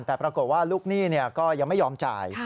แต่ปรากฏว่าลูกหนี้ก็ยังไม่ยอมจ่าย